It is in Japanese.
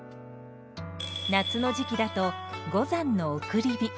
夏の時期だと五山送り火。